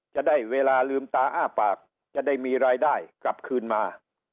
จะได้เวลาลืมตาอ้าปากจะได้มีรายได้กลับคืนมา